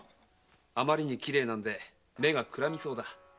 あまりにきれいなので目が眩みそうだ。